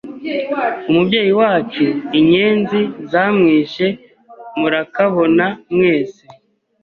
Umubyeyi wacu Inyenzi zamwishe murakabona mwese,